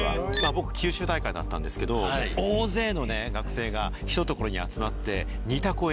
僕九州大会だったんですけど大勢の学生が一所に集まって２択をやるんですよ。